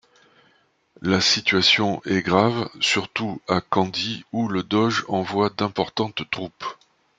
La situation est grave, surtout à Candie où le doge envoie d'importantes troupes.